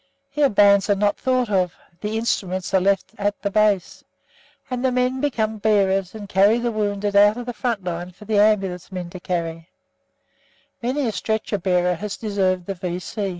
Here bands are not thought of; the instruments are left at the base, and the men become bearers, and carry the wounded out of the front line for the Ambulance men to care for. Many a stretcher bearer has deserved the V.